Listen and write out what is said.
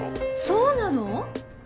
そうなの？